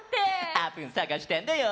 あーぷんさがしたんだよ。